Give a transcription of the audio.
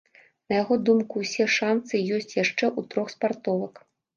На яго думку, усе шанцы ёсць яшчэ ў трох спартовак.